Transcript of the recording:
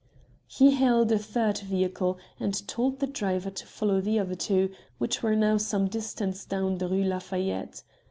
He hailed a third vehicle and told the driver to follow the other two, which were now some distance down the Rue Lafayette.